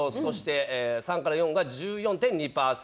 ３から４が１４．２％。